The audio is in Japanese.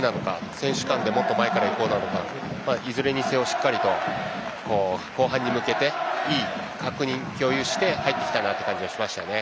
選手間でもっと前から行こうだとかいずれにせよ、しっかりと後半に向けていい確認をして共有して入っていきたいなと思いましたね。